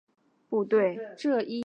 曾大量装备中国人民解放军部队。